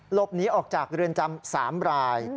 หลบหนีออกจากเรือนจำ๓ราย